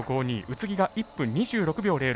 宇津木が１分２６秒０６。